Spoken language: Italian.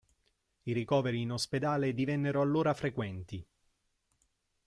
I ricoveri in ospedale divennero allora frequenti.